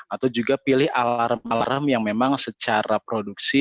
atau juga pilih alarm alarm yang memang secara produksi